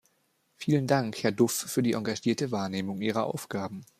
Vielen Dank, Herr Duff, für die engagierte Wahrnehmung Ihrer Aufgaben.